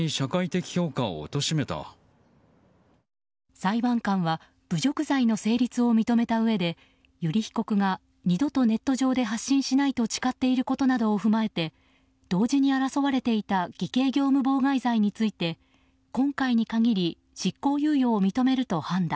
裁判官は侮辱罪の成立を認めたうえで油利被告が二度とネット上で発信しないと誓っていることなどを踏まえて同時に争われていた偽計業務妨害罪について今回に限り執行猶予を認めると判断。